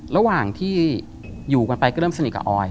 ระหว่างที่อยู่กันไปก็เริ่มสนิทกับออย